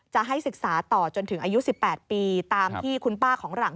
จะให้ศึกษาต่อจนถึงอายุ๑๘ปีตามที่คุณป้าของหลัง